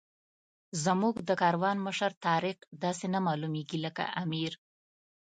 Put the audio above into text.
زموږ د کاروان مشر طارق داسې نه معلومېږي لکه امیر.